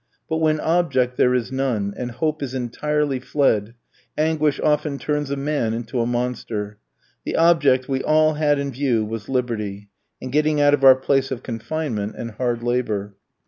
But when object there is none, and hope is entirely fled, anguish often turns a man into a monster. The object we all had in view was liberty, and getting out of our place of confinement and hard labour.